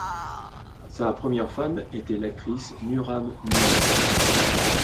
Sa première femme était l'actrice Nurhan Nur.